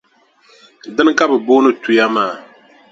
Dina ka bɛ booni tuya maa.